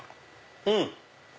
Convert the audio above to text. うん！